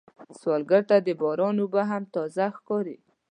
سوالګر ته د باران اوبه هم تازه ښکاري